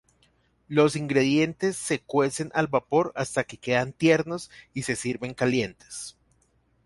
Los ingredientes se cuecen al vapor hasta que quedan tiernos y se sirven calientes.